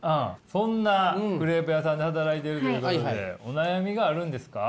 そんなクレープ屋さんで働いてるということでお悩みがあるんですか？